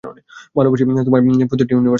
ভালোবাসি তোমায় প্রতিটি ইউনিভার্সে।